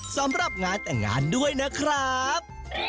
สำหรับงานแต่งงานด้วยนะครับ